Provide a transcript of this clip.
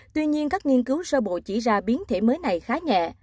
tuy nhiên các nghiên cứu sơ bộ chỉ ra biến thể mới này khá nhẹ